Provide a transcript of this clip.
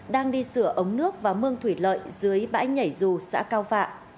đang đi sửa ống nước và mương thủy lợi dưới bãi nhảy dù xã cao phạ